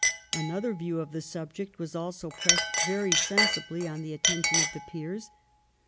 Another view of the subject was also pressed very sensibly on the attention of the peers.